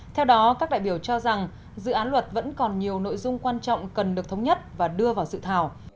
theo đó các đại biểu cho rằng dự án luật vẫn còn nhiều nội dung quan trọng cần được thống nhất và đưa vào dự thảo